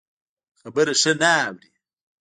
خبره ښه نه اوري.